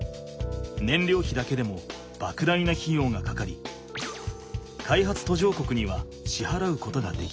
ねんりょうひだけでもばく大なひようがかかり開発途上国にはしはらうことができない。